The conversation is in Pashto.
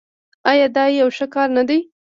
آیا دا یو ښه کار نه دی؟